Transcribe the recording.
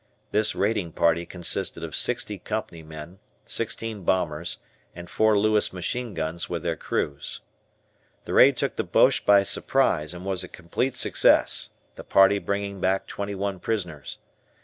This raiding party consisted of sixty company men, sixteen bombers, and four Lewis machine guns with their crews. The raid took the Boches by surprise and was a complete success, the party bringing back twenty one prisoners.